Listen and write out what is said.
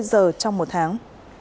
giờ trong một tháng